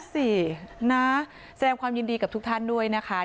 สินะแสดงความยินดีกับทุกท่านด้วยนะคะ